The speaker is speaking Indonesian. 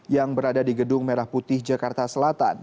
yang berada di gedung merah putih jakarta selatan